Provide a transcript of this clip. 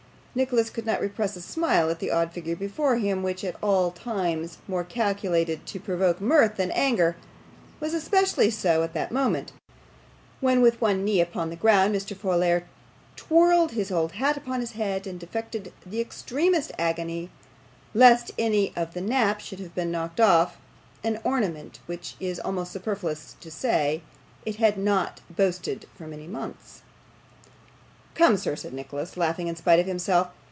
Nicholas could not repress a smile at the odd figure before him, which, at all times more calculated to provoke mirth than anger, was especially so at that moment, when with one knee upon the ground, Mr. Folair twirled his old hat round upon his hand, and affected the extremest agony lest any of the nap should have been knocked off an ornament which it is almost superfluous to say, it had not boasted for many months. 'Come, sir,' said Nicholas, laughing in spite of himself.